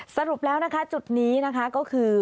สรุปแล้วนะคะจุดนี้นะคะก็คือ